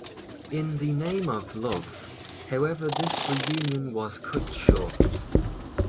In the Name of Love, however this reunion was cut short.